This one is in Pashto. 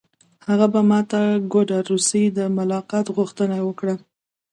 هغه په ماته ګوډه روسي د ملاقات غوښتنه وکړه